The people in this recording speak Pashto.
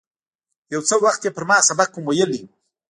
یو څه وخت یې پر ما سبق هم ویلی و.